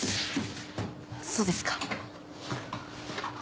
そうですか。